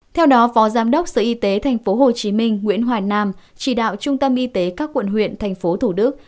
theo đó phó giám đốc sở y tế tp hcm nguyễn hoàng nam chỉ đạo trung tâm y tế các quận huyện tp thủ đức